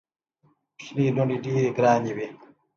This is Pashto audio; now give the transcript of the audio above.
کوچنۍ لوڼي ډېري ګراني وي.